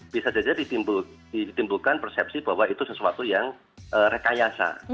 bisa saja ditimbulkan persepsi bahwa itu sesuatu yang rekayasa